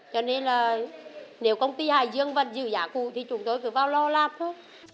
cho nên là nếu công ty hải dương vẫn giữ giá cụ thì chúng tôi cứ vào lò làm thôi